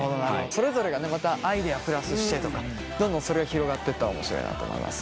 それぞれがねまたアイデアプラスしてとかどんどんそれが広がっていったら面白いなと思います。